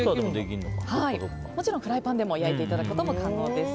もちろんフライパンでも焼いていただくことも可能です。